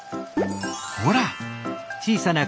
ほら！